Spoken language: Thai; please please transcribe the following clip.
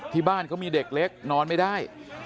ที่บ้านเขามีเด็กเล็กนอนไม่ได้